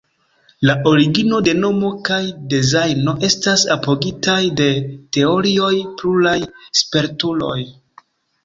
La origino de nomo kaj dezajno estas apogitaj de teorioj pluraj spertuloj.